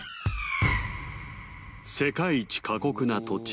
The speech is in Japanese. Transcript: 世界一過酷な土地